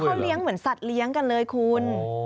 เขาเลี้ยงเหมือนสัตว์เลี้ยงกันเลยคุณ